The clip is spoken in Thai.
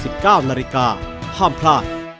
๑๙นาฬิกาห้ามพลาด